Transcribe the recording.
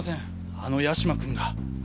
あの八島君が。